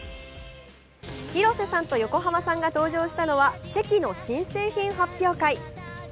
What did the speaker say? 広瀬さんと横浜さんが登場したのはチェキの新製品発表会。